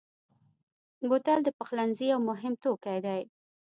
بوتل د پخلنځي یو مهم توکی دی.